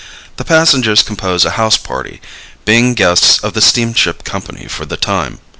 The passengers compose a house party, being guests of the Steamship company for the time.